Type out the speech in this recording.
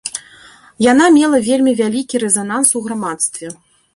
Яна мела вельмі вялікі рэзананс ў грамадстве.